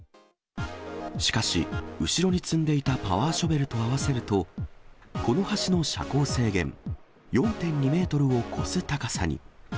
しかし、後ろに積んでいたパワーショベルと合わせると、この橋の車高制限４．２メートルを超す高さに。